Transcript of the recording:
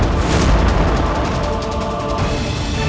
untuk menakuti para prajuritku